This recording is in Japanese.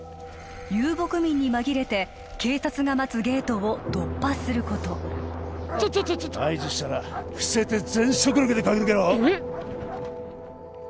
遊牧民に紛れて警察が待つゲートを突破することちょっちょっ合図したら伏せて全速力で駆け抜けろえ？